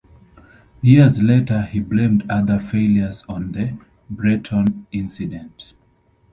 Years later, he blamed other failures on the Breton incident.